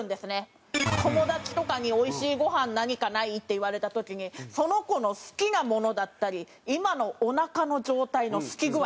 友達とかに「おいしいごはん何かない？」って言われた時にその子の好きなものだったり今のおなかの状態のすき具合。